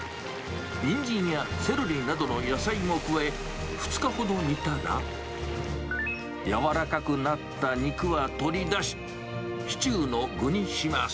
ニンジンやセロリなどの野菜も加え、２日ほど煮たら、柔らかくなった肉は取り出し、シチューの具にします。